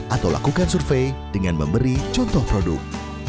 atau lakukan survei dengan memberi contoh produk